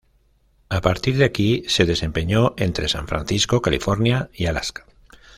A partir de aquí, se desempeñó entre San Francisco, California y Alaska.